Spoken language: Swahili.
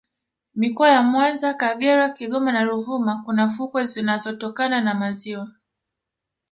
mikoa ya mwanza kagera kigoma na ruvuma Kuna fukwe zinazotokana na maziwa